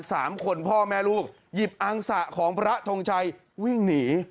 สามคนพ่อแม่ลูกหยิบอังสะของพระทงชัยวิ่งหนี